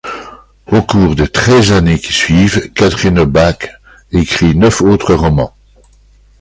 Au cours des treize années qui suivent, Catherine Hubback écrit neuf autres romans.